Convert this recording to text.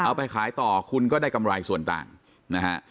เอาไปขายต่อคุณก็ได้กำไรส่วนต่างนะฮะ